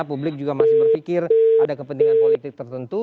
publik juga masih berpikir ada kepentingan politik tertentu